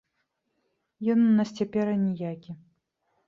Ён у нас цяпер аніякі.